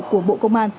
của bộ công an